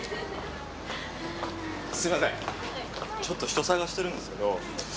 ちょっと人捜してるんですけど。